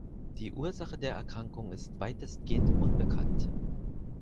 Die Ursache der Erkrankung ist weitestgehend unbekannt.